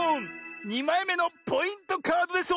２まいめのポイントカードです！